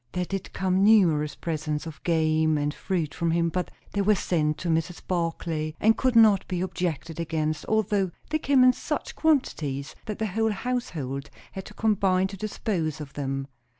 There did come numerous presents of game and fruit from him, but they were sent to Mrs. Barclay, and could not be objected against, although they came in such quantities that the whole household had to combine to dispose of them.